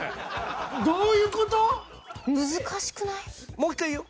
もう一回言うよ。